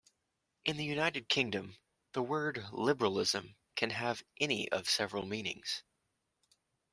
In the United Kingdom, the word "liberalism" can have any of several meanings.